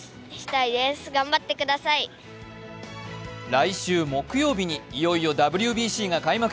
来週木曜日に、いよいよＷＢＣが開幕。